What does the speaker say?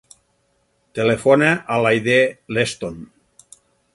Telefona a l'Aidé Leston.